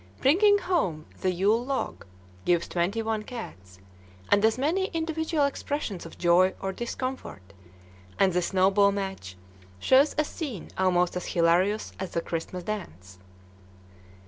"Bringing Home the Yule Log" gives twenty one cats, and as many individual expressions of joy or discomfort; and the "Snowball Match" shows a scene almost as hilarious as the "Christmas Dance."